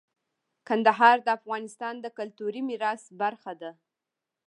کندهار د افغانستان د کلتوري میراث برخه ده.